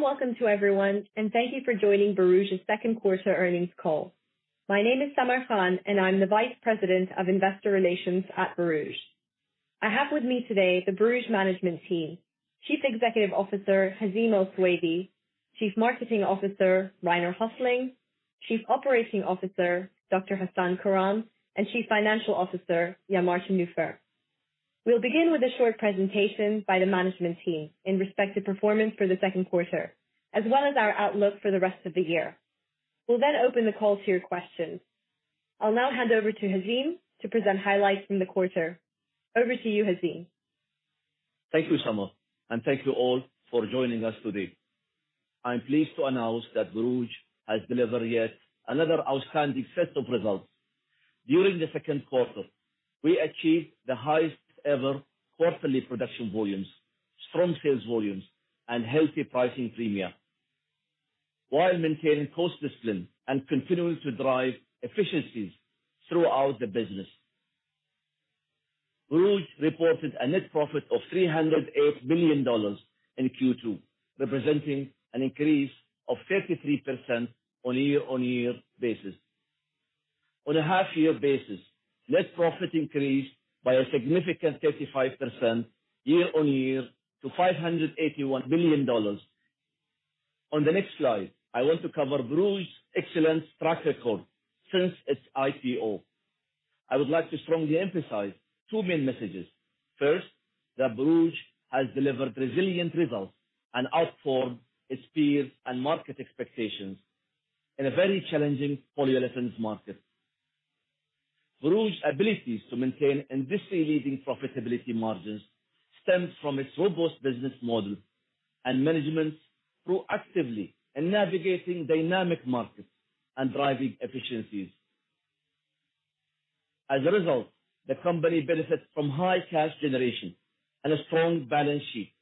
Warm welcome to everyone, and thank you for joining Borouge's second quarter earnings call. My name is Samar Khan, and I'm the Vice President of Investor Relations at Borouge. I have with me today the Borouge management team: Chief Executive Officer, Hazeem Sultan Al Suwaidi; Chief Marketing Officer, Rainer Hoefling; Chief Operating Officer, Hasan Karam; and Chief Financial Officer, Jan-Martin Nufer. We'll begin with a short presentation by the management team in respective performance for the second quarter, as well as our outlook for the rest of the year. We'll then open the call to your questions. I'll now hand over to Hazeem to present highlights from the quarter. Over to you, Hazeem. Thank you, Samar, and thank you all for joining us today. I'm pleased to announce that Borouge has delivered yet another outstanding set of results. During the second quarter, we achieved the highest ever quarterly production volumes, strong sales volumes, and healthy pricing premia, while maintaining cost discipline and continuing to drive efficiencies throughout the business. Borouge reported a net profit of $308 million in Q2, representing an increase of 33% on a year-on-year basis. On a half-year basis, net profit increased by a significant 35% year-on-year to $581 billion. On the next slide, I want to cover Borouge's excellent track record since its IPO. I would like to strongly emphasize two main messages. First, that Borouge has delivered resilient results and outperformed its peers and market expectations in a very challenging polyolefins market. Borouge's abilities to maintain industry-leading profitability margins stems from its robust business model and management's proactivity in navigating dynamic markets and driving efficiencies. As a result, the company benefits from high cash generation and a strong balance sheet,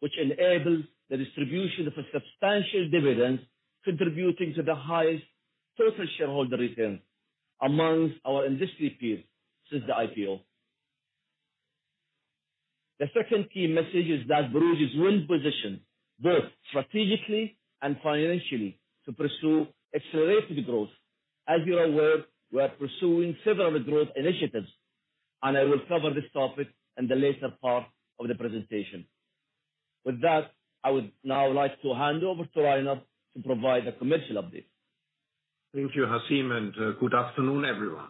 which enables the distribution of a substantial dividend, contributing to the highest total shareholder return among our industry peers since the IPO. The second key message is that Borouge is well positioned, both strategically and financially, to pursue accelerated growth. As you are aware, we are pursuing several growth initiatives, and I will cover this topic in the later part of the presentation. With that, I would now like to hand over to Rainer to provide a commercial update. Thank you, Hazeem, and good afternoon, everyone.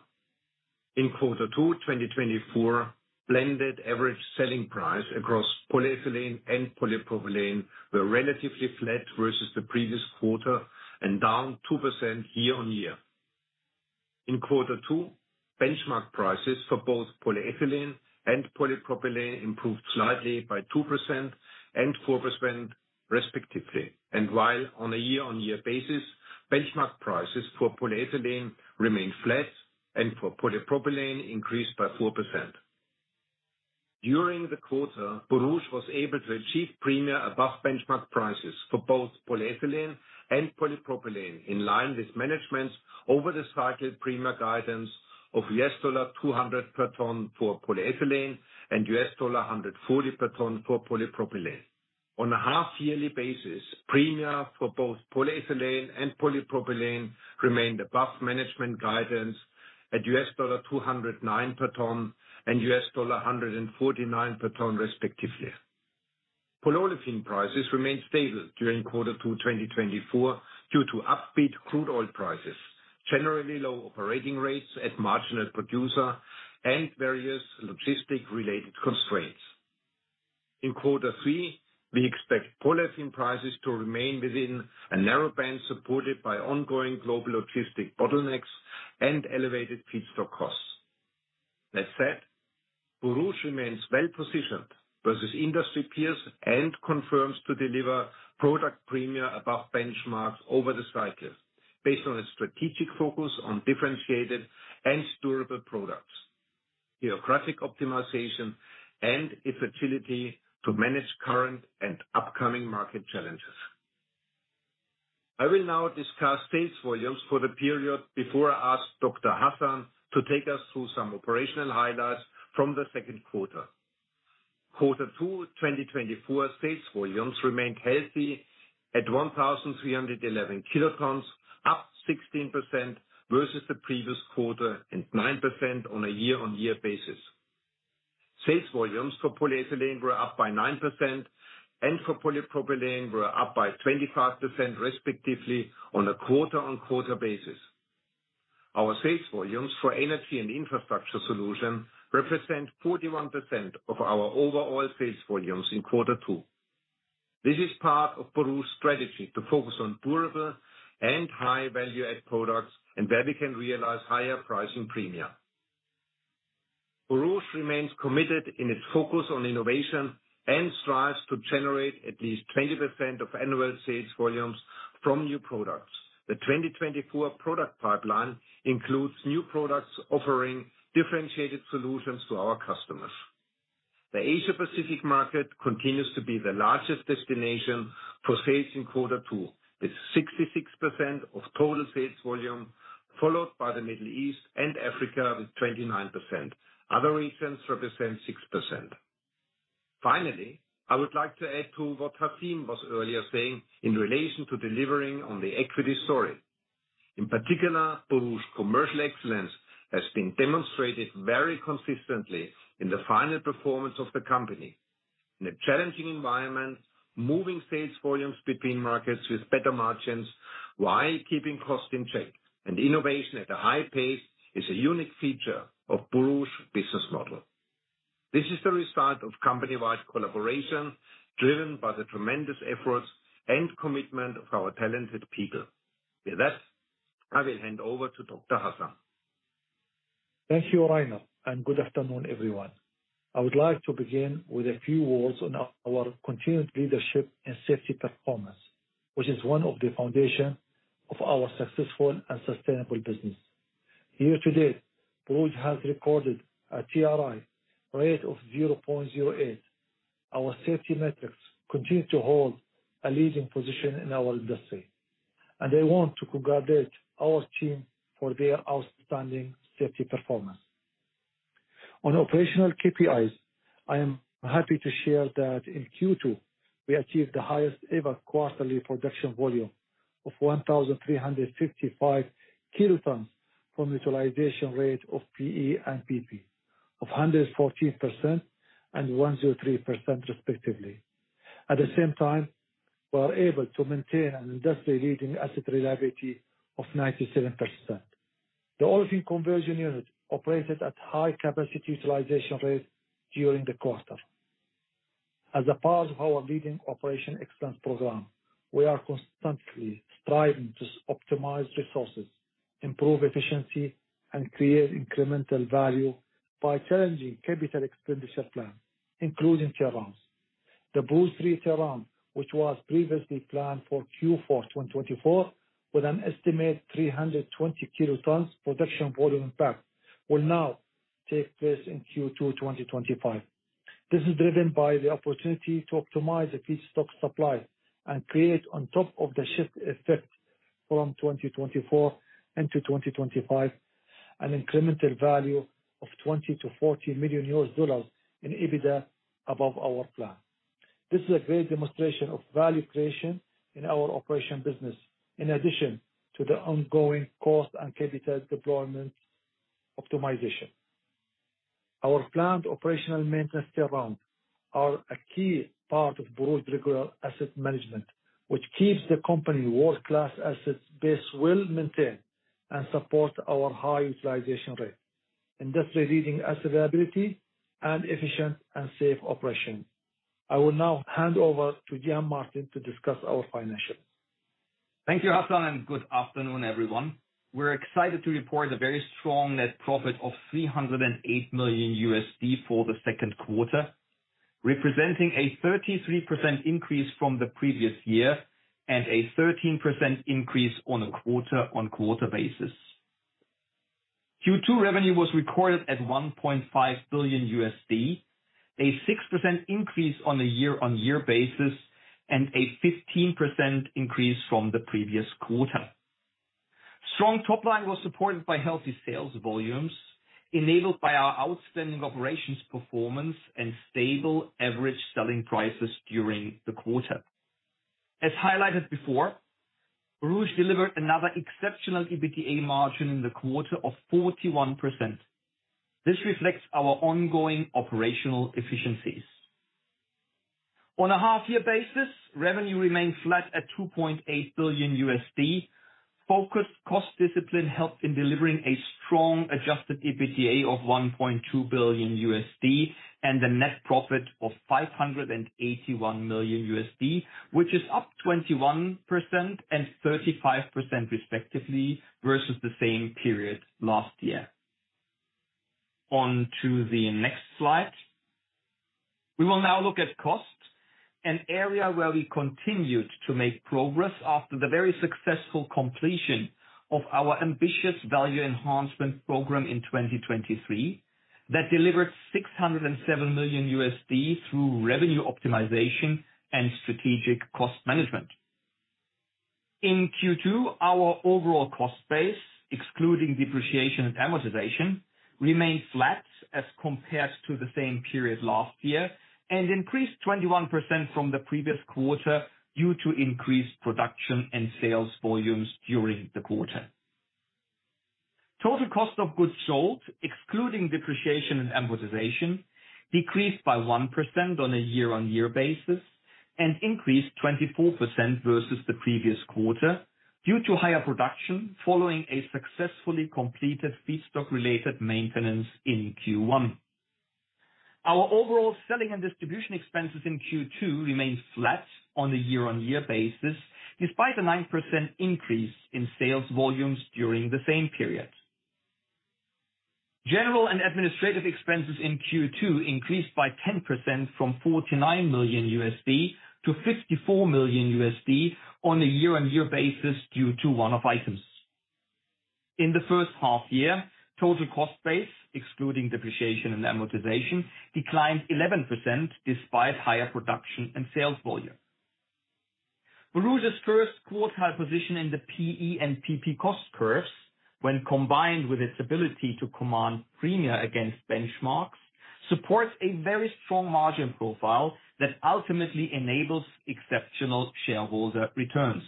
In quarter two, 2024, blended average selling price across polyethylene and polypropylene were relatively flat versus the previous quarter, and down 2% year-on-year. In quarter two, benchmark prices for both polyethylene and polypropylene improved slightly by 2% and 4%, respectively. While on a year-on-year basis, benchmark prices for polyethylene remained flat, and for polypropylene increased by 4%. During the quarter, Borouge was able to achieve premia above benchmark prices for both polyethylene and polypropylene, in line with management's over the cycle premia guidance of $200 per ton for polyethylene, and $140 per ton for polypropylene. On a half-yearly basis, premia for both polyethylene and polypropylene remained above management guidance at $209 per ton, and $149 per ton, respectively. Polyolefin prices remained stable during quarter 2, 2024, due to upbeat crude oil prices, generally low operating rates at marginal producer, and various logistic-related constraints. In quarter 3, we expect polyolefin prices to remain within a narrow band, supported by ongoing global logistic bottlenecks and elevated feedstock costs. That said, Borouge remains well positioned versus industry peers and confirms to deliver product premia above benchmarks over the cycle, based on its strategic focus on differentiated and durable products, geographic optimization, and its agility to manage current and upcoming market challenges. I will now discuss sales volumes for the period before I ask Dr. Hasan to take us through some operational highlights from the second quarter. Quarter 2, 2024, sales volumes remained healthy at 1,311 kilotons, up 16% versus the previous quarter, and 9% on a year-on-year basis. Sales volumes for polyethylene were up by 9%, and for polypropylene were up by 25%, respectively, on a quarter-on-quarter basis. Our sales volumes for energy and infrastructure solution represent 41% of our overall sales volumes in quarter two. This is part of Borouge's strategy to focus on durable and high value-add products, and where we can realize higher pricing premia. Borouge remains committed in its focus on innovation and strives to generate at least 20% of annual sales volumes from new products. The 2024 product pipeline includes new products offering differentiated solutions to our customers. The Asia Pacific market continues to be the largest destination for sales in quarter two, with 66% of total sales volume, followed by the Middle East and Africa with 29%. Other regions represent 6%. Finally, I would like to add to what Hasan was earlier saying in relation to delivering on the equity story. In particular, Borouge's commercial excellence has been demonstrated very consistently in the financial performance of the company. In a challenging environment, moving sales volumes between markets with better margins, while keeping costs in check and innovation at a high pace, is a unique feature of Borouge's business model. This is the result of company-wide collaboration, driven by the tremendous efforts and commitment of our talented people. With that, I will hand over to Dr. Hasan. Thank you, Rainer, and good afternoon, everyone. I would like to begin with a few words on our continued leadership and safety performance, which is one of the foundation of our successful and sustainable business. Year to date, Borouge has recorded a TRI rate of 0.08. Our safety metrics continue to hold a leading position in our industry, and I want to congratulate our team for their outstanding safety performance. On operational KPIs, I am happy to share that in Q2, we achieved the highest ever quarterly production volume of 1,355 kilotons from utilization rate of PE and PP, of 114% and 103% respectively. At the same time, we are able to maintain an industry-leading asset reliability of 97%. The olefin conversion unit operated at high capacity utilization rate during the quarter. As a part of our leading operation excellence program, we are constantly striving to optimize resources, improve efficiency, and create incremental value by challenging capital expenditure plan, including shutdowns. The Borouge 3 shutdown, which was previously planned for Q4 2024, with an estimated 320 kilotons production volume impact, will now take place in Q2 2025. This is driven by the opportunity to optimize the feedstock supply and create on top of the shift effect from 2024 into 2025, an incremental value of $20 million-$40 million in EBITDA above our plan. This is a great demonstration of value creation in our operation business, in addition to the ongoing cost and capital deployment optimization. Our planned operational maintenance shutdowns are a key part of Borouge's regular asset management, which keeps the company world-class asset base well-maintained and supports our high utilization rate, industry-leading asset availability, and efficient and safe operation. I will now hand over to Jan-Martin Nufer to discuss our financials. Thank you, Hasan, and good afternoon, everyone. We're excited to report a very strong net profit of $308 million for the second quarter, representing a 33% increase from the previous year and a 13% increase on a quarter-on-quarter basis. Q2 revenue was recorded at $1.5 billion, a 6% increase on a year-on-year basis, and a 15% increase from the previous quarter. Strong top line was supported by healthy sales volumes, enabled by our outstanding operations performance and stable average selling prices during the quarter. As highlighted before, Borouge delivered another exceptional EBITDA margin in the quarter of 41%. This reflects our ongoing operational efficiencies. On a half-year basis, revenue remains flat at $2.8 billion. Focused cost discipline helped in delivering a strong adjusted EBITDA of $1.2 billion, and a net profit of $581 million, which is up 21% and 35% respectively, versus the same period last year. On to the next slide. We will now look at costs, an area where we continued to make progress after the very successful completion of our ambitious value enhancement program in 2023, that delivered $607 million through revenue optimization and strategic cost management. In Q2, our overall cost base, excluding depreciation and amortization, remained flat as compared to the same period last year, and increased 21% from the previous quarter due to increased production and sales volumes during the quarter. Total cost of goods sold, excluding depreciation and amortization, decreased by 1% on a year-on-year basis and increased 24% versus the previous quarter due to higher production, following a successfully completed feedstock-related maintenance in Q1. Our overall selling and distribution expenses in Q2 remained flat on a year-on-year basis, despite a 9% increase in sales volumes during the same period. General and administrative expenses in Q2 increased by 10% from $49 million to $54 million on a year-on-year basis, due to one-off items. In the first half year, total cost base, excluding depreciation and amortization, declined 11% despite higher production and sales volume.... Borouge's first quarter position in the PE and PP cost curves, when combined with its ability to command premia against benchmarks, supports a very strong margin profile that ultimately enables exceptional shareholder returns.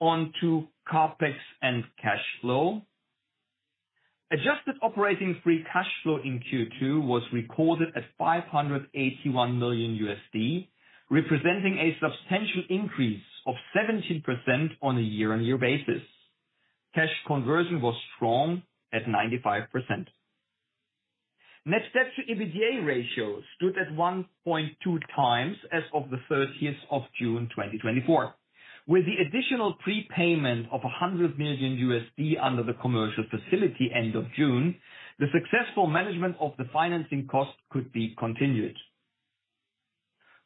On to CapEx and cash flow. Adjusted operating free cash flow in Q2 was recorded at $581 million, representing a substantial increase of 17% on a year-on-year basis. Cash conversion was strong at 95%. Net debt to EBITDA ratio stood at 1.2 times as of the 30th of June 2024, with the additional prepayment of $100 million under the commercial facility end of June, the successful management of the financing cost could be continued.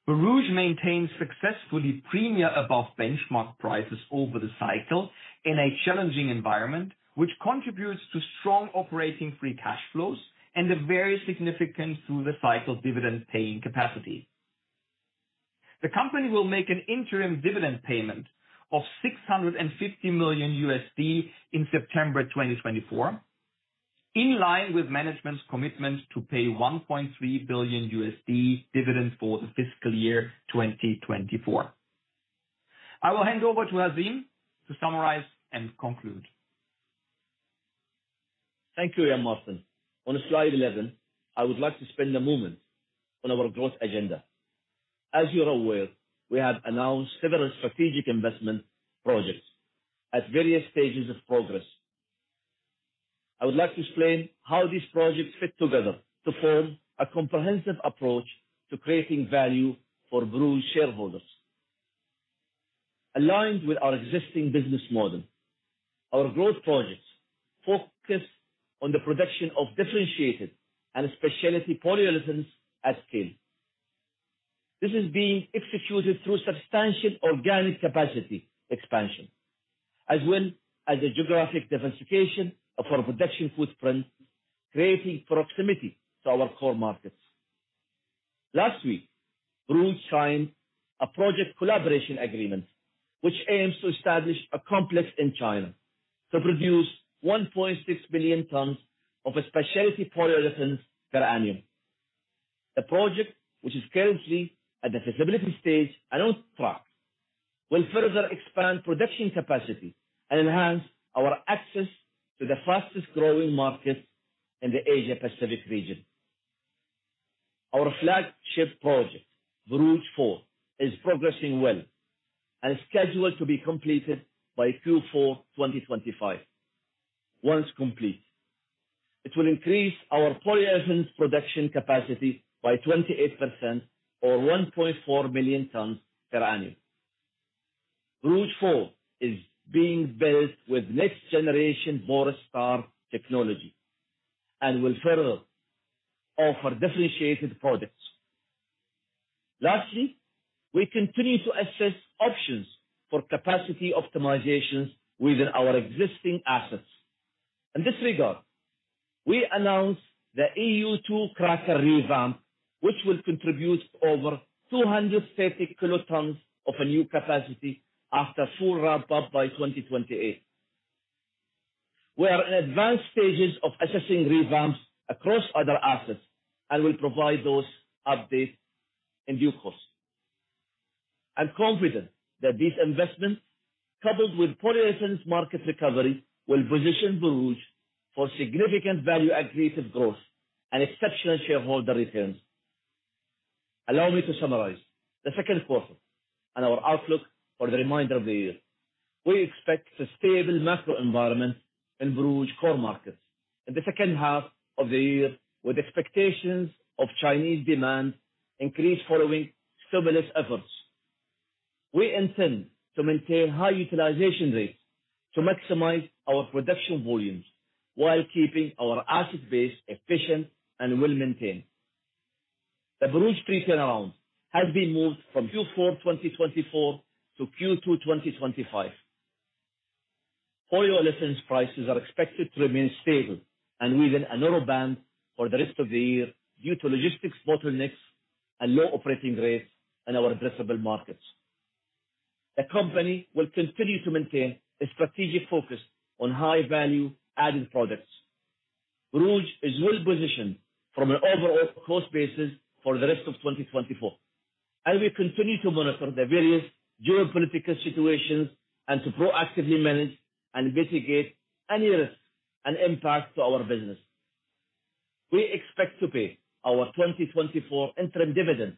Borouge maintains successfully premiums above benchmark prices over the cycle in a challenging environment, which contributes to strong operating free cash flows and a very significant through the cycle dividend-paying capacity. The company will make an interim dividend payment of $650 million in September 2024, in line with management's commitment to pay $1.3 billion dividends for the fiscal year 2024. I will hand over to Hazeem to summarize and conclude. Thank you, Jan-Martin Nufer. On slide 11, I would like to spend a moment on our growth agenda. As you are aware, we have announced several strategic investment projects at various stages of progress. I would like to explain how these projects fit together to form a comprehensive approach to creating value for Borouge shareholders. Aligned with our existing business model, our growth projects focus on the production of differentiated and specialty polyolefins at scale. This is being executed through substantial organic capacity expansion, as well as a geographic diversification of our production footprint, creating proximity to our core markets. Last week, Borouge signed a project collaboration agreement, which aims to establish a complex in China to produce 1.6 million tons of a specialty polyolefins per annum. The project, which is currently at the feasibility stage and on track, will further expand production capacity and enhance our access to the fastest growing market in the Asia Pacific region. Our flagship project, Borouge 4, is progressing well and scheduled to be completed by Q4 2025. Once complete, it will increase our polyolefins production capacity by 28% or 1.4 million tons per annum. Borouge 4 is being built with next generation Borstar technology and will further offer differentiated products. Lastly, we continue to assess options for capacity optimizations within our existing assets. In this regard, we announced the EU2 cracker revamp, which will contribute over 230 kilotons of a new capacity after full ramp up by 2028. We are in advanced stages of assessing revamps across other assets and will provide those updates in due course. I'm confident that these investments, coupled with polyolefins market recovery, will position Borouge for significant value accretive growth and exceptional shareholder returns. Allow me to summarize the second quarter and our outlook for the remainder of the year. We expect sustainable macro environment in Borouge core markets in the second half of the year, with expectations of Chinese demand increased following stimulus efforts. We intend to maintain high utilization rates to maximize our production volumes while keeping our asset base efficient and well-maintained. The Borouge turnaround has been moved from Q4 2024 to Q2 2025. Polyolefins prices are expected to remain stable and within a narrow band for the rest of the year due to logistics bottlenecks and low operating rates in our addressable markets. The company will continue to maintain a strategic focus on high value-added products. Borouge is well positioned from an overall cost basis for the rest of 2024, and we continue to monitor the various geopolitical situations and to proactively manage and mitigate any risks and impact to our business. We expect to pay our 2024 interim dividend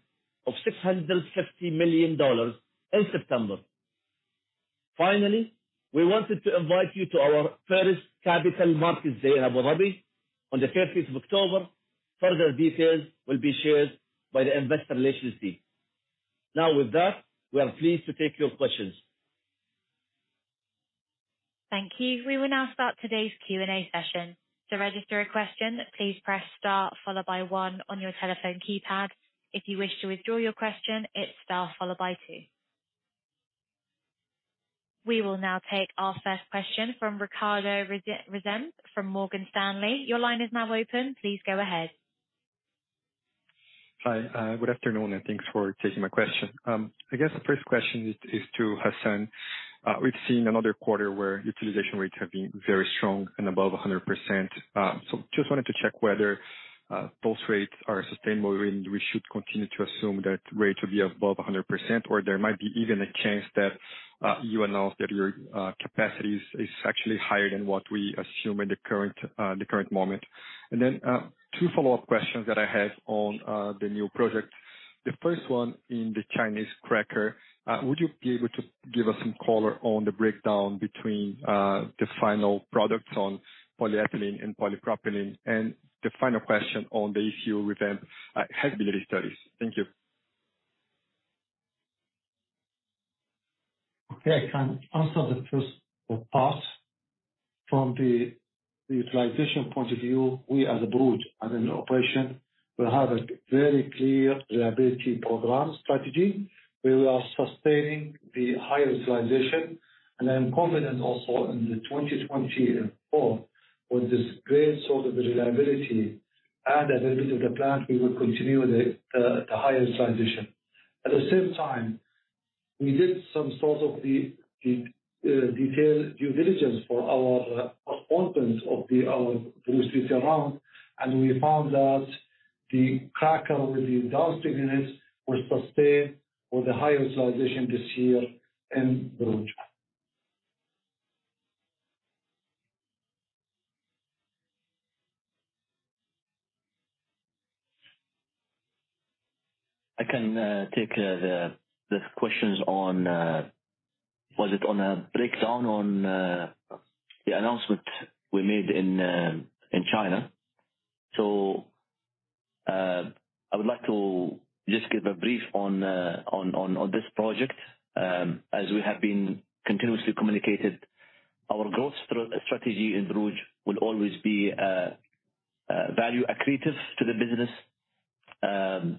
of $650 million in September. Finally, we wanted to invite you to our first Capital Markets Day in Abu Dhabi on the 30th of October. Further details will be shared by the investor relations team. Now, with that, we are pleased to take your questions. Thank you. We will now start today's Q&A session. To register a question, please press star followed by one on your telephone keypad. If you wish to withdraw your question, it's star followed by two.... We will now take our first question from Ricardo Rezende from Morgan Stanley. Your line is now open, please go ahead. Hi, good afternoon, and thanks for taking my question. I guess the first question is to Hasan. We've seen another quarter where utilization rates have been very strong and above 100%. So just wanted to check whether those rates are sustainable, and we should continue to assume that rates will be above 100%, or there might be even a chance that you announce that your capacities is actually higher than what we assume in the current, the current moment? And then, two follow-up questions that I have on the new project. The first one, in the Chinese cracker, would you be able to give us some color on the breakdown between the final products on polyethylene and polypropylene? And the final question on the issue with them, feasibility studies. Thank you. Okay, I can answer the first part. From the utilization point of view, we as a group, as an operation, we have a very clear reliability program strategy, where we are sustaining the high utilization. I am confident also in 2024, with this great sort of reliability and availability of the plant, we will continue with the high utilization. At the same time, we did some sort of detailed due diligence for our partners through Citigroup, and we found that the cracker with the downstream units will sustain for the high utilization this year in Borouge. I can take the questions on, was it on, breakdown on, the announcement we made in, in China? So, I would like to just give a brief on, on, on this project. As we have been continuously communicated, our growth strategy in Borouge will always be, value accretive to the business.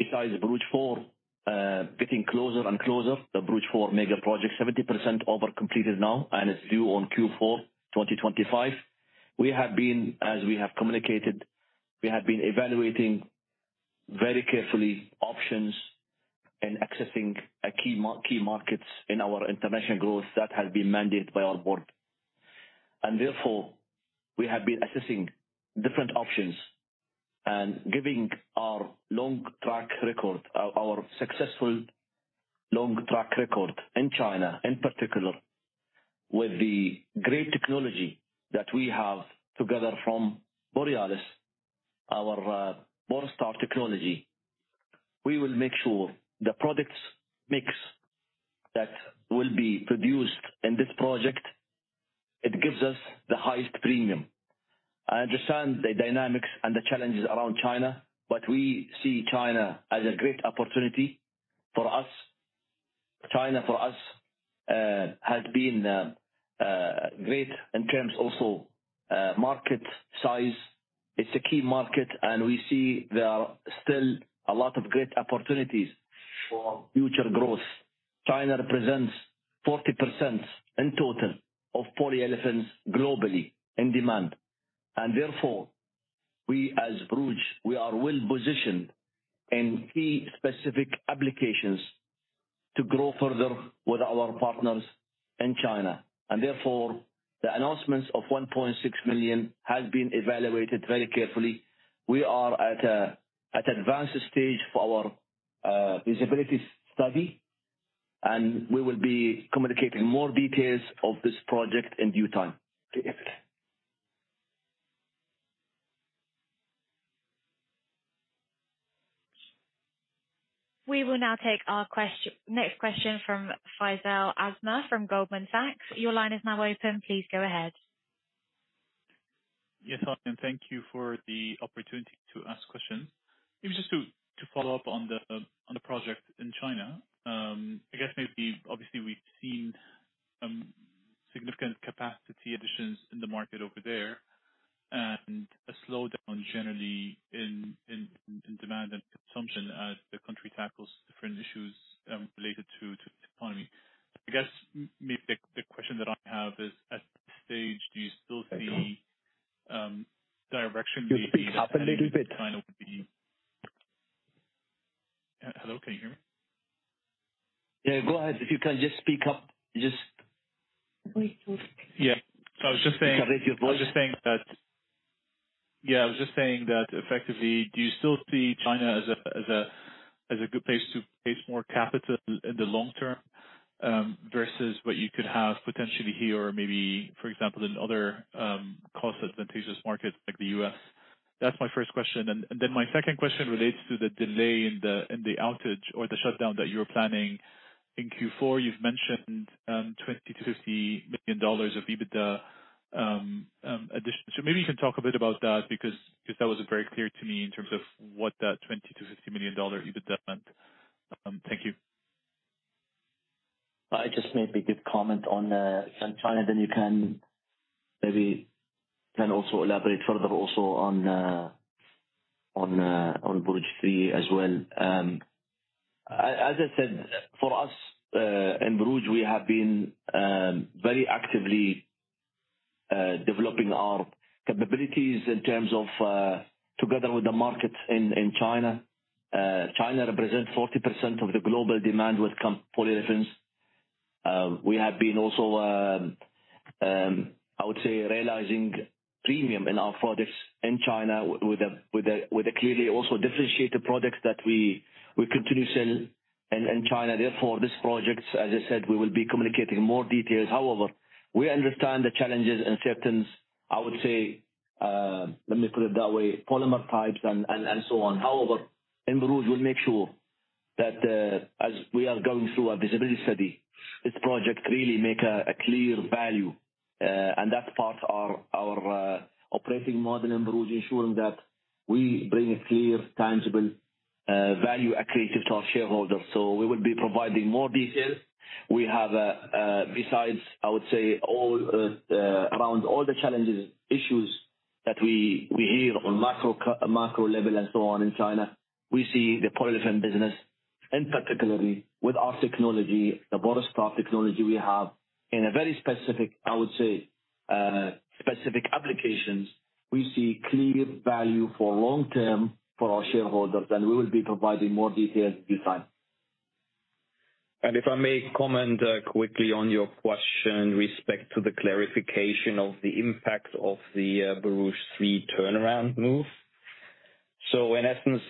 Besides Borouge 4, getting closer and closer, the Borouge 4 mega project, 70% complete now, and it's due on Q4 2025. We have been, as we have communicated, we have been evaluating very carefully options and accessing key markets in our international growth that has been mandated by our board. Therefore, we have been assessing different options and given our long track record, our successful long track record in China, in particular, with the great technology that we have together from Borealis, our Borstar technology. We will make sure the product mix that will be produced in this project gives us the highest premium. I understand the dynamics and the challenges around China, but we see China as a great opportunity for us. China, for us, has been great in terms also of market size. It's a key market, and we see there are still a lot of great opportunities for future growth. China represents 40% in total of polyolefins globally in demand, and therefore, we as Borouge, we are well positioned in key specific applications to grow further with our partners in China. Therefore, the announcements of 1.6 million has been evaluated very carefully. We are at advanced stage for our feasibility study, and we will be communicating more details of this project in due time. Thank you. We will now take our next question from Faisal AlAzmeh from Goldman Sachs. Your line is now open, please go ahead. Yes, hi, and thank you for the opportunity to ask questions. Maybe just to follow up on the project in China. I guess maybe obviously we've seen some significant capacity additions in the market over there, and a slowdown generally in demand and consumption as the country tackles different issues, related to the economy. I guess maybe the question that I have is, at this stage, do you still see- I don't- Direction maybe- Could you speak up a little bit? China would be... Hello, can you hear me? Yeah, go ahead. If you can just speak up, just- Please do. Yeah. So I was just saying- Raise your voice. I was just saying that... Yeah, I was just saying that, effectively, do you still see China as a good place to place more capital in the long term, versus what you could have potentially here, or maybe, for example, in other closer than places markets like the US? That's my first question, and then my second question relates to the delay in the outage or the shutdown that you were planning in Q4. You've mentioned $20 million-$50 million of EBITDA addition. So maybe you can talk a bit about that, because that wasn't very clear to me in terms of what that $20 million-$50 million EBITDA meant. Thank you. I just maybe give comment on China, then you can maybe then also elaborate further also on Borouge 3 as well. As I said, for us in Borouge, we have been very actively developing our capabilities in terms of together with the markets in China. China represents 40% of the global demand for polyolefins. We have been also, I would say, realizing premium in our products in China with a clearly also differentiated products that we continue sell in China. Therefore, this projects, as I said, we will be communicating more details. However, we understand the challenges and certain, I would say, let me put it that way, polymer types and so on. However, in Borouge, we'll make sure that, as we are going through a feasibility study, this project really make a clear value, and that's part of our operating model in Borouge, ensuring that we bring a clear, tangible value accretive to our shareholders. So we will be providing more details. We have, besides, I would say, all around all the challenges, issues that we hear on macro co-macro level and so on in China, we see the polyolefin business, and particularly with our technology, the broadest technology we have, in a very specific, I would say, specific applications, we see clear value for long-term for our shareholders, and we will be providing more details in time. If I may comment quickly on your question with respect to the clarification of the impact of the Borouge 3 turnaround move. So in essence,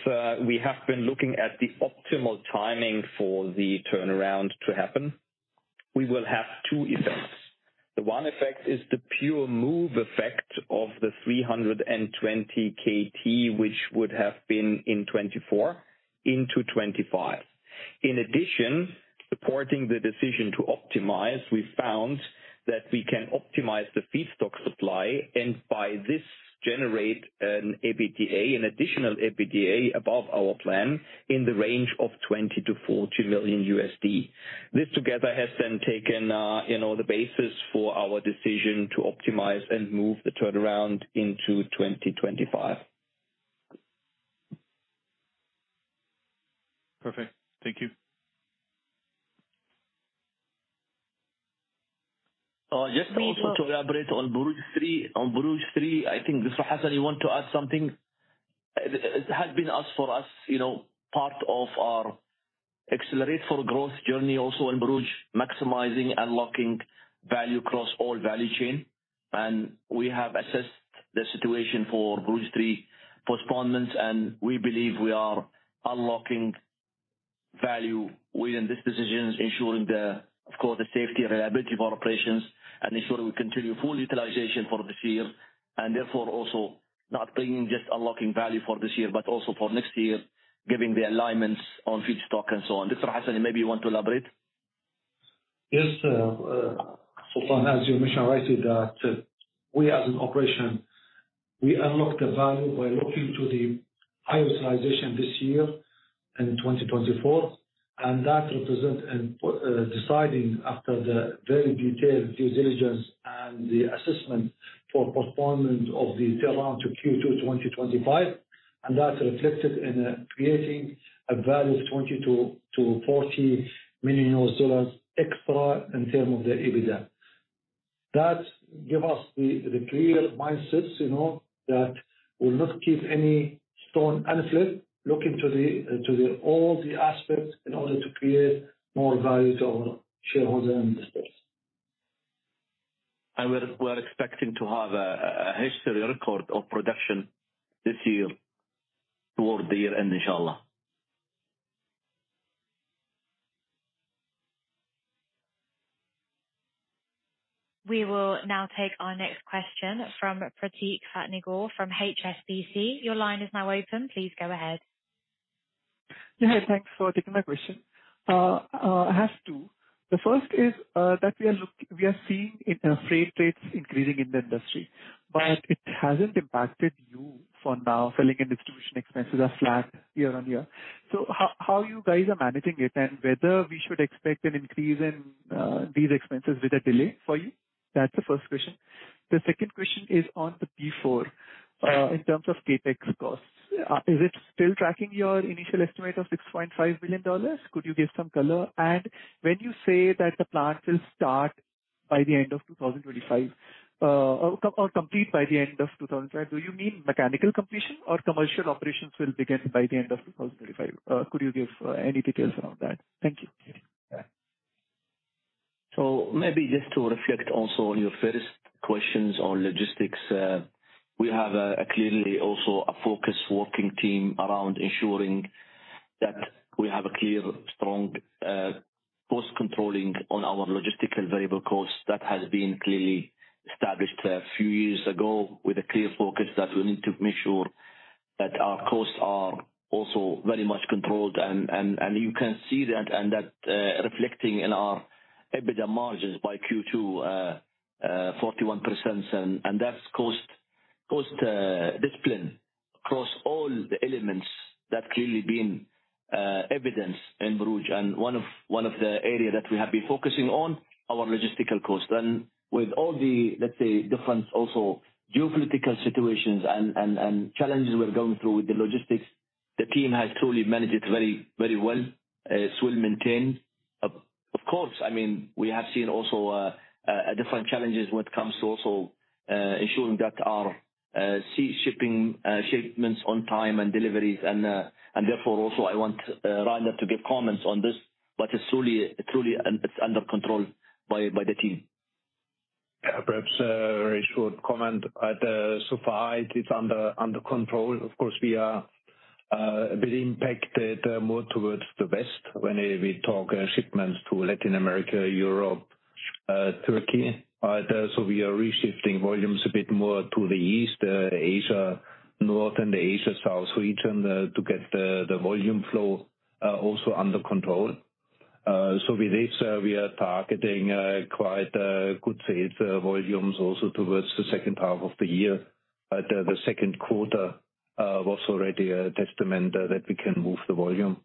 we have been looking at the optimal timing for the turnaround to happen. We will have two effects. The one effect is the pure move effect of the 320 KT, which would have been in 2024 into 2025. In addition, supporting the decision to optimize, we found that we can optimize the feedstock supply, and by this generate an EBITDA, an additional EBITDA above our plan, in the range of $20 million-$40 million. This together has then taken, you know, the basis for our decision to optimize and move the turnaround into 2025. Perfect. Thank you. Just also to elaborate on Borouge 3. On Borouge 3, I think, Mr. Hasan, you want to add something? It has been for us, you know, part of our accelerate for growth journey, also in Borouge, maximizing, unlocking value across all value chain. And we have assessed the situation for Borouge 3 postponements, and we believe we are unlocking value within this decisions, ensuring the, of course, the safety and reliability of our operations, and ensuring we continue full utilization for this year, and therefore also not bringing, just unlocking value for this year, but also for next year, giving the alignments on feedstock and so on. Mr. Hasan, maybe you want to elaborate? Yes, Sultan, as you mentioned, right, that we as an operation, we unlock the value by looking to the high utilization this year in 2024, and that represent in, deciding after the very detailed due diligence and the assessment for postponement of the turnaround to Q2 2025, and that's reflected in, creating a value of $20 million-$40 million extra in term of the EBITDA. That give us the, the clear mindsets, you know, that will not keep any stone unturned, looking to the, to the all the aspects in order to create more value to our shareholders and investors. We're expecting to have a history record of production this year, towards the year end, Inshallah. We will now take our next question from Prateek Patni, from HSBC. Your line is now open. Please go ahead. Yeah, thanks for taking my question. I have two. The first is that we are seeing freight rates increasing in the industry, but it hasn't impacted you for now. Selling and distribution expenses are flat year-on-year. So how you guys are managing it, and whether we should expect an increase in these expenses with a delay for you? That's the first question. The second question is on the P4, in terms of CapEx costs. Is it still tracking your initial estimate of $6.5 billion? Could you give some color? When you say that the plant will start by the end of 2025, or complete by the end of 2025, do you mean mechanical completion or commercial operations will begin by the end of 2025? Could you give any details around that? Thank you. So maybe just to reflect also on your first questions on logistics, we have a clearly, also a focused working team around ensuring that we have a clear, strong, cost controlling on our logistical variable costs. That has been clearly established a few years ago, with a clear focus that we need to make sure that our costs are also very much controlled, and you can see that, and that reflecting in our EBITDA margins by Q2, 41%. And that's cost discipline across all the elements that clearly been evident in Borouge, and one of the area that we have been focusing on, our logistical cost. And with all the, let's say, different also geopolitical situations and challenges we're going through with the logistics, the team has truly managed it very, very well. So we'll maintain. Of course, I mean, we have seen also different challenges when it comes to also ensuring that our sea shipping shipments on time and deliveries and therefore, also I want Rainer to give comments on this, but it's truly, truly it's under control by the team. Yeah, perhaps a very short comment. But so far, it is under, under control. Of course, we are a bit impacted more towards the west when we talk shipments to Latin America, Europe, Turkey. But so we are reshifting volumes a bit more to the east, Asia North and Asia South region, to get the, the volume flow also under control. So with this, we are targeting quite good sales volumes also towards the second half of the year. But the, the second quarter was already a testament that we can move the volume.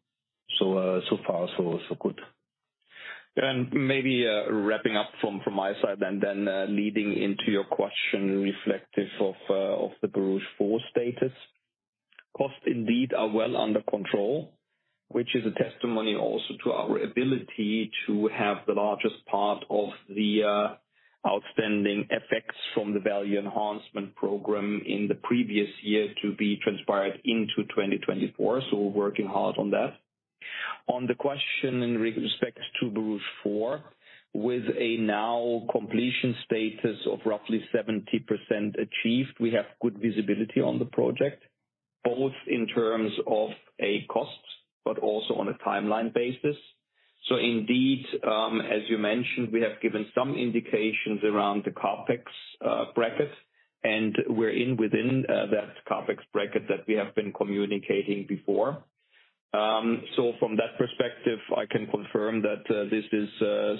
So, so far, so, so good. And maybe, wrapping up from my side and then leading into your question reflective of the Borouge 4 status. Costs indeed are well under control, which is a testimony also to our ability to have the largest part of the outstanding effects from the value enhancement program in the previous year to be transpired into 2024, so we're working hard on that. On the question in respect to Borouge 4, with a now completion status of roughly 70% achieved, we have good feasibility on the project, both in terms of a cost, but also on a timeline basis. So indeed, as you mentioned, we have given some indications around the CapEx bracket, and we're within that CapEx bracket that we have been communicating before. So from that perspective, I can confirm that, this is,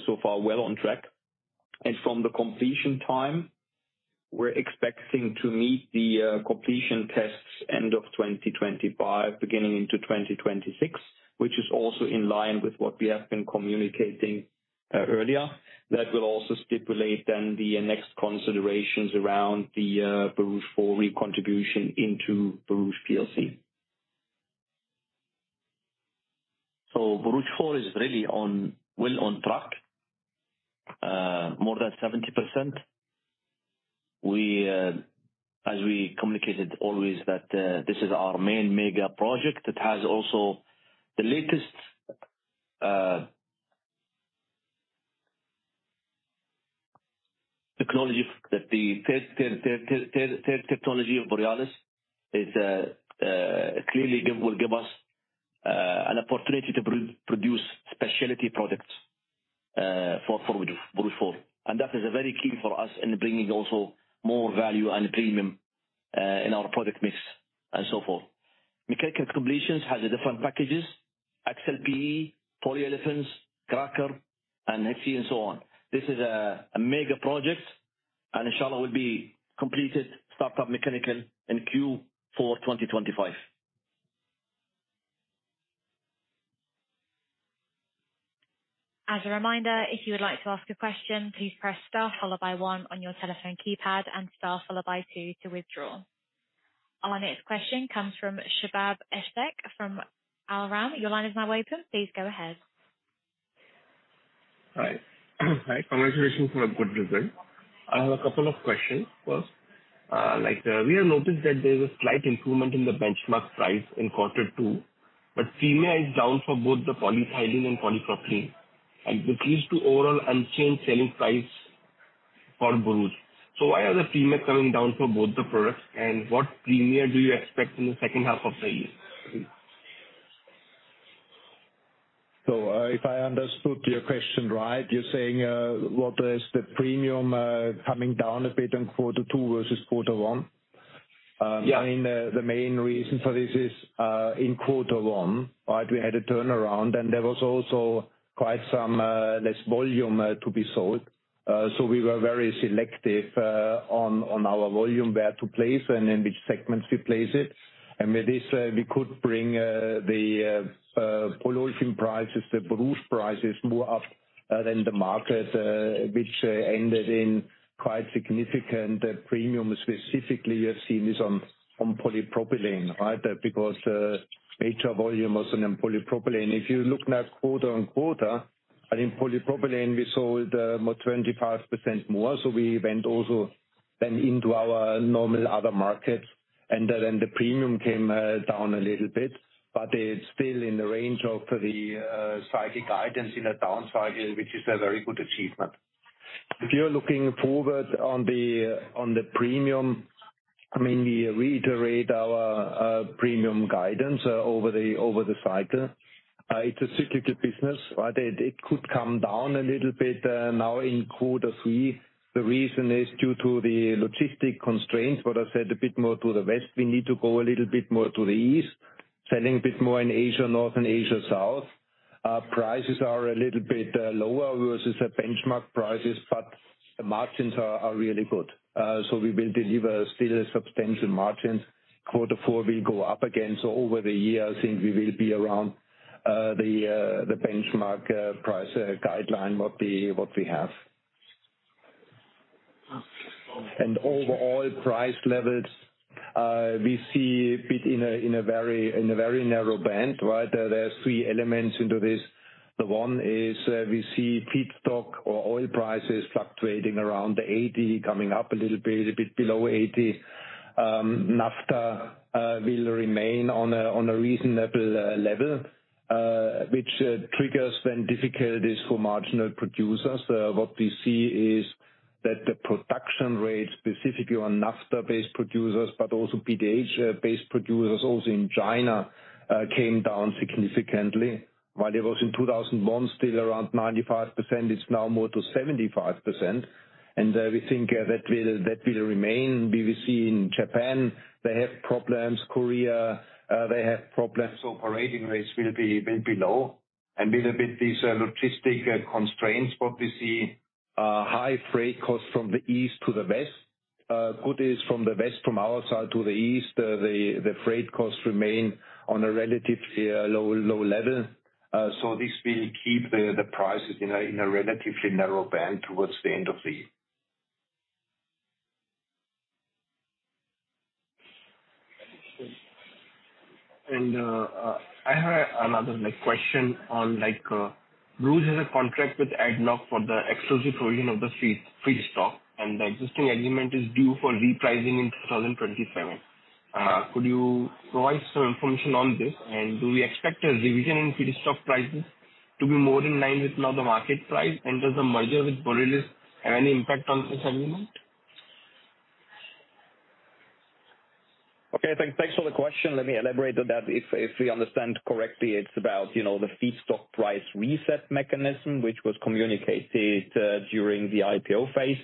so far well on track. And from the completion time, we're expecting to meet the, completion tests end of 2025, beginning into 2026, which is also in line with what we have been communicating, earlier. That will also stipulate then the next considerations around the, Borouge 4 recontribution into Borouge PLC. So Borouge 4 is really on... well on track, more than 70%. We, as we communicated always, that, this is our main mega project. It has also the latest, technology that the third technology of Borealis is, clearly will give us, an opportunity to produce specialty products, for, for Borouge 4. And that is a very key for us in bringing also more value and premium, in our product mix, and so forth. Mechanical completion has different packages, XLPE, polyolefins, cracker, and HE and so on. This is, a mega project, and inshallah, will be completed, start up mechanical, in Q4 2025. As a reminder, if you would like to ask a question, please press star followed by one on your telephone keypad and star followed by two to withdraw. Our next question comes from Shabab Ashfaq from Al Ramz Capital. Your line is now open, please go ahead. Hi. Hi, congratulations on a good result. I have a couple of questions. First, like, we have noticed that there is a slight improvement in the benchmark price in quarter two, but premium is down for both the polyethylene and polypropylene, and which leads to overall unchanged selling price for Borouge. So why are the premium coming down for both the products, and what premium do you expect in the second half of the year? If I understood your question right, you're saying, what is the premium, coming down a bit in quarter two versus quarter one? Yeah. I mean, the main reason for this is, in quarter one, right, we had a turnaround, and there was also quite some less volume to be sold. So we were very selective on our volume, where to place and in which segments we place it. And with this, we could bring the polyolefin prices, the Borouge prices, more up than the market, which ended in quite significant premium. Specifically, you have seen this on polypropylene, right? Because major volume was in the polypropylene. If you look now quarter-over-quarter, I think polypropylene, we sold 25% more, so we went also then into our normal other markets, and then the premium came down a little bit. But it's still in the range of the cyclic guidance in a down cycle, which is a very good achievement. If you're looking forward on the premium, I mean, we reiterate our premium guidance over the cycle. It's a cyclical business, but it could come down a little bit now in quarter three. The reason is due to the logistic constraints, what I said, a bit more to the west, we need to go a little bit more to the east. Selling a bit more in Asia North and Asia South. Prices are a little bit lower versus the benchmark prices, but the margins are really good. So we will deliver still a substantial margins. Quarter four will go up again, so over the year, I think we will be around the benchmark price guideline what we have. And overall price levels, we see a bit in a very narrow band, right? There are three elements into this. The one is, we see feedstock or oil prices fluctuating around $80, coming up a little bit, a bit below $80. Naphtha will remain on a reasonable level, which triggers then difficulties for marginal producers. What we see is that the production rate, specifically on Naphtha-based producers, but also PDH based producers also in China, came down significantly. While it was in 2001, still around 95%, it's now more to 75%, and, we think, that will, that will remain. We will see in Japan, they have problems, Korea, they have problems. Operating rates will be, will be low, and little bit these, logistics, constraints, but we see, high freight costs from the east to the west. Good is from the west, from our side to the east, the, the freight costs remain on a relatively, low, low level. So this will keep the, the prices in a, in a relatively narrow band towards the end of the year. And, I have another, like, question on, like, Borouge has a contract with ADNOC for the exclusive provision of the feedstock, and the existing agreement is due for repricing in 2027. Could you provide some information on this? And do we expect a revision in feedstock prices to be more in line with now the market price? And does the merger with Borealis have any impact on this agreement? Okay, thanks for the question. Let me elaborate on that. If we understand correctly, it's about, you know, the feedstock price reset mechanism, which was communicated during the IPO phase.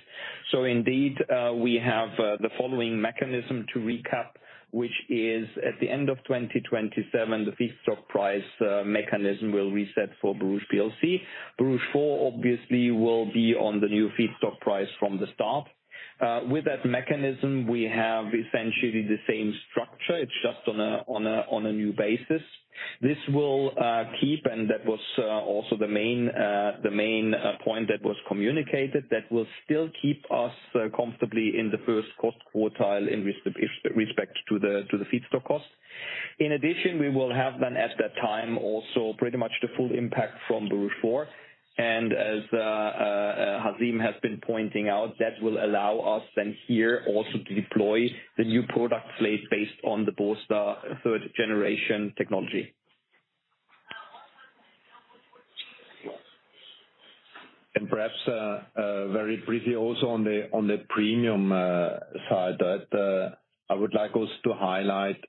So indeed, we have the following mechanism to recap, which is at the end of 2027, the feedstock price mechanism will reset for Borouge PLC. Borouge 4 obviously will be on the new feedstock price from the start. With that mechanism, we have essentially the same structure. It's just on a new basis. This will keep, and that was also the main point that was communicated, that will still keep us comfortably in the first cost quartile in respect to the feedstock cost. In addition, we will have then at that time also pretty much the full impact from Borouge 4. And as Hazeem has been pointing out, that will allow us then here also to deploy the new product slate based on the Borstar third generation technology. Perhaps very briefly also on the premium side, that I would like also to highlight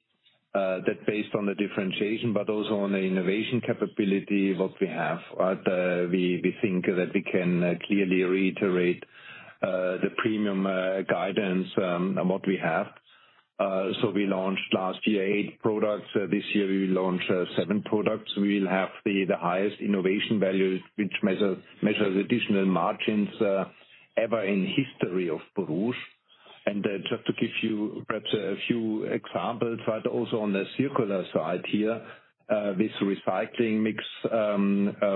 that based on the differentiation, but also on the innovation capability what we have, right? We think that we can clearly reiterate the premium guidance on what we have. So we launched last year eight products. This year we launched seven products. We'll have the highest innovation value, which measures additional margins ever in history of Borouge. Just to give you perhaps a few examples, but also on the circular side here with recycling mix,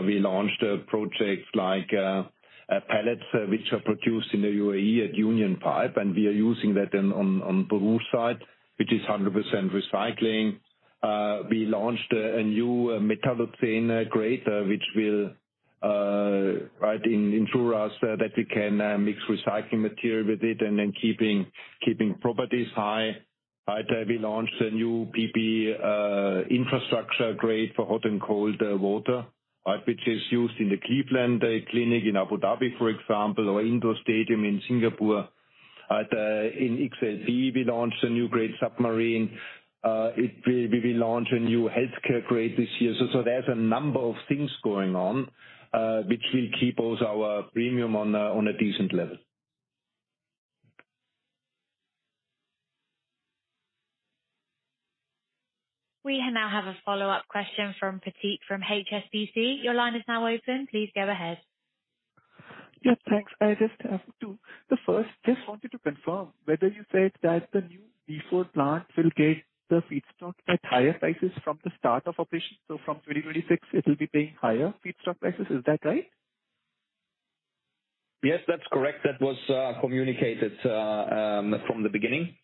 we launched a project like pellets, which are produced in the UAE at Union Pipe, and we are using that then on Borouge side, which is 100% recycling. We launched a new metallocene grade, which will ensure us that we can mix recycling material with it and then keeping properties high. We launched a new PP infrastructure grade for hot and cold water, which is used in the Cleveland Clinic Abu Dhabi, for example, or Indoor Stadium in Singapore. In XLPE, we launched a new submarine grade. We launched a new healthcare grade this year. So there's a number of things going on, which will also keep our premium on a decent level. We now have a follow-up question from Prateek, from HSBC. Your line is now open. Please go ahead. Yeah, thanks. I just have two. The first, just wanted to confirm whether you said that the new default plant will get the feedstock at higher prices from the start of operation. So from 2026, it will be paying higher feedstock prices. Is that right? Yes, that's correct. That was communicated from the beginning.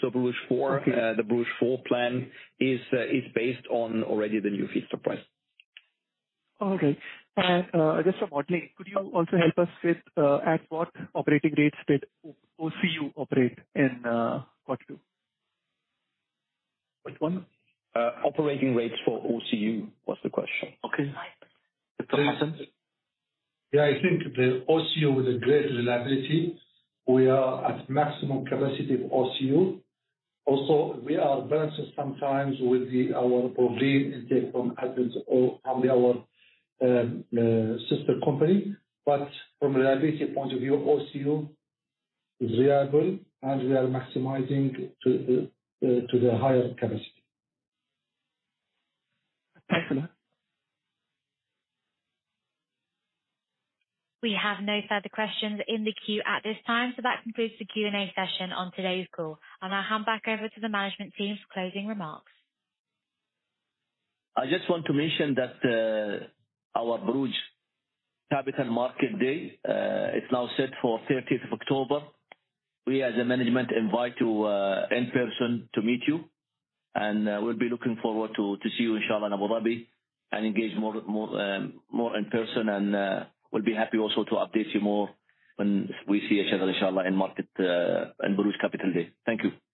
So Borouge 4- Okay. The Borouge 4 plan is, is based on already the new feedstock price. Okay. And, just for modeling, could you also help us with, at what operating rates did OCU operate in quarter two? Which one? Operating rates for OCU was the question. Okay. Yeah, I think the OCU with a great reliability, we are at maximum capacity of OCU. Also, we are balanced sometimes with the... our intake from others or only our, sister company. But from reliability point of view, OCU is reliable, and we are maximizing to the higher capacity. Excellent. We have no further questions in the queue at this time, so that concludes the Q&A session on today's call. I'll now hand back over to the management team for closing remarks. I just want to mention that, our Borouge Capital Markets Day is now set for 30th of October. We, as a management, invite you in person to meet you, and we'll be looking forward to see you inshallah in Abu Dhabi, and engage more, more, more in person. And we'll be happy also to update you more when we see each other, inshallah, in market, in Borouge Capital Markets Day. Thank you.